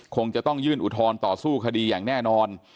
คงจะต้องยื่นอุทธรณ์ต่อสู้คดีอย่างแน่นอน